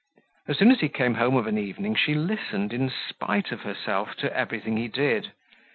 As soon as he came home of an evening she listened, in spite of herself, to everything he did.